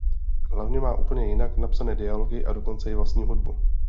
Hlavně má úplně jinak napsané dialogy a dokonce i vlastní hudbu.